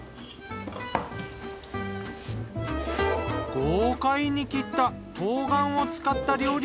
豪快に切った冬瓜を使った料理。